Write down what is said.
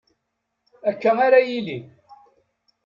Akka ara yili.